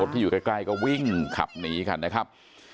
ที่อยู่ใกล้ก็วิ่งขับหนีกันนะครับ